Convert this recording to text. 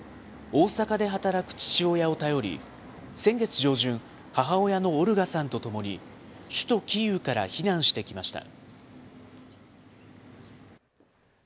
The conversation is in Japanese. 大阪で働く父親を頼り、先月上旬、母親のオルガさんと共に首都キーウから避難してきました。